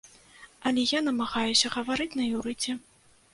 Але я намагаюся гаварыць на іўрыце.